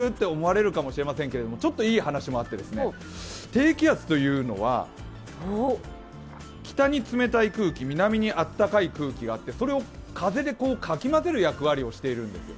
え、また低気圧？って思われるかもしれないんですけどちょっといい話もあって、低気圧というのは北に冷たい空気、南に暖かい空気があってそれを風でかき混ぜる役割をしているんです。